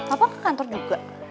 papa ke kantor juga